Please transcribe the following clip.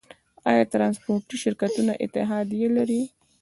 آیا ټرانسپورټي شرکتونه اتحادیه لري؟